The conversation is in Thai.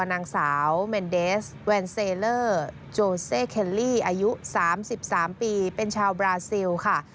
นางสาวเมนเดสแวนเซเลอร์โจเซเคลลี่อายุ๓๓ปีเป็นชาวบราซิลค่ะ